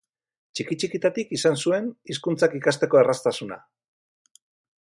Txiki-txikitatik izan zuen hizkuntzak ikasteko erraztasuna.